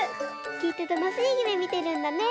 きっとたのしいゆめみてるんだね。